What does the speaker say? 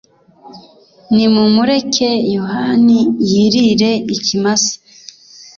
Nimumureke yohani yirire ikimasa!